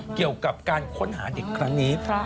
เกี่ยวกับการค้นหาเด็กครั้งนี้